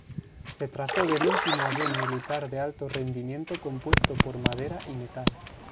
Se trató del último avión militar de alto rendimiento compuesto por madera y metal.